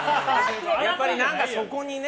やっぱり、そこにね。